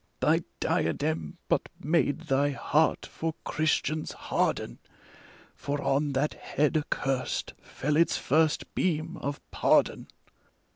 Thy diadem but made thy heart for Christians harden, For on that head accurst fell its first beam of pardon.